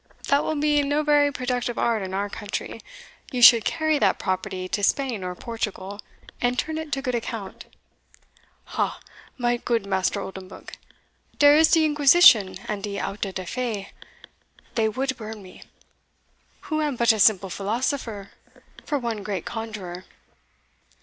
That will be no very productive art in our country; you should carry that property to Spain or Portugal, and turn it to good account." "Ah! my goot Master Oldenbuck, dere is de Inquisition and de Auto da fe they would burn me, who am but a simple philosopher, for one great conjurer."